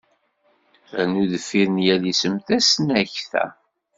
Rnu deffir n yal isem tasnakta.